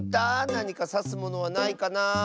なにかさすものはないかなあ。